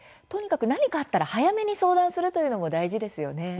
とにかく何かあったら早めに相談するというのも大事ですよね。